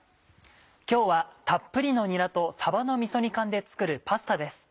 今日はたっぷりのにらとさばのみそ煮缶で作るパスタです。